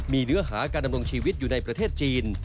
มีเนื้อหาการดำรงชีวิตอยู่ในประเทศจีน